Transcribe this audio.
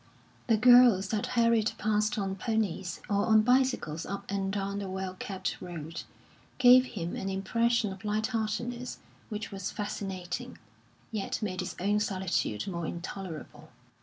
The girls that hurried past on ponies, or on bicycles up and down the well kept road, gave him an impression of light heartedness which was fascinating, yet made his own solitude more intolerable.